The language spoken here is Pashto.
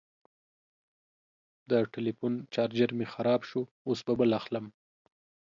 د ټلیفون چارجر مې خراب شو، اوس به بل اخلم.